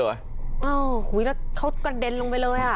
อ้าวเขากระเด็นลงไปเลยฮะ